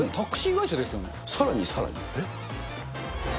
さらにさらに。